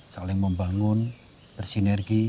saling membangun bersinergi